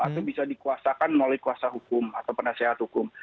atau bisa dikuasakan melalui kuasa hukum atau penasehat hukum